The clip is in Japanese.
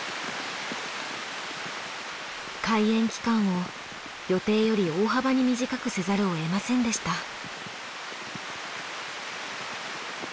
開園期間を予定より大幅に短くせざるをえませんでした。